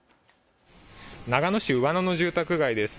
長野市上野の住宅街です。